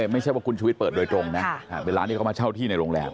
ไม่ใช่ว่าคุณชุวิตเปิดโดยตรงนะเป็นร้านที่เขามาเช่าที่ในโรงแรม